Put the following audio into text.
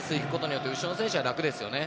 それで後ろの選手は楽ですよね。